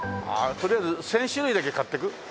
とりあえず１０００種類だけ買ってく？